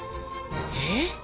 えっ？